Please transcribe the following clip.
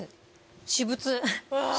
私物！